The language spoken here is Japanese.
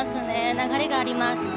流れがあります。